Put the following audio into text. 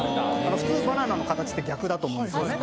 普通バナナの形って逆だと思うんですよね。